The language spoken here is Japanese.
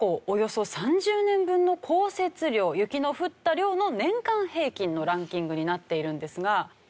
およそ３０年分の降雪量雪の降った量の年間平均のランキングになっているんですが。